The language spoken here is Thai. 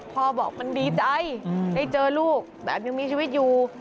พ่อบอกมันดีใจได้เจอลูกแบบยังมีชีวิตอยู่